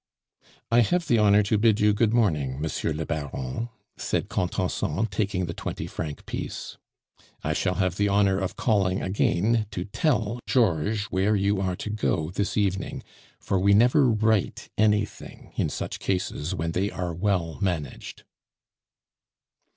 "I have the honor to bid you good morning, Monsieur le Baron," said Contenson, taking the twenty franc piece. "I shall have the honor of calling again to tell Georges where you are to go this evening, for we never write anything in such cases when they are well managed."